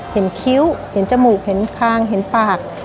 คิ้วเห็นจมูกเห็นคางเห็นปาก